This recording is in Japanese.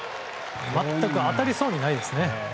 全く当たりそうにないですね。